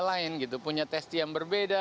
lain gitu punya testi yang berbeda